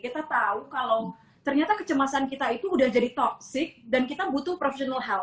kita tahu kalau ternyata kecemasan kita itu udah jadi toxic dan kita butuh profesional healt